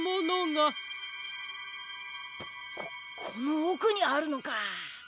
ここのおくにあるのか。